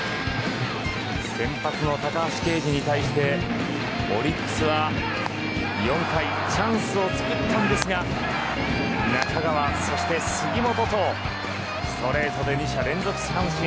先発の高橋奎二に対してオリックスは４回チャンスをつくったんですが中川、そして杉本とストレートで２者連続三振。